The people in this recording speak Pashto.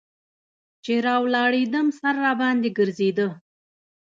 چې راولاړېدم سر راباندې ګرځېده.